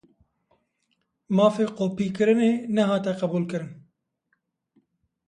Mafê kopî kirinê ne hate qebûl kirin